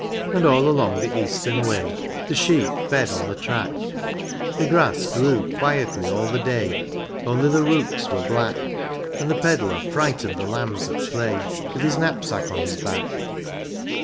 And all along the eastern way The sheep fed on the track ; The grass grew quietly all the day, — Only the rooks were black ; And the pedler frightened the lambs at play With his knapsack on his back.